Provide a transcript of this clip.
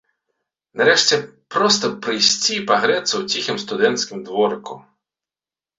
Нарэшце, проста прыйсці пагрэцца ў ціхім студэнцкім дворыку.